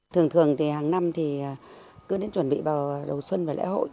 thường thường thì hàng năm thì cứ đến chuẩn bị vào đầu xuân và lễ hội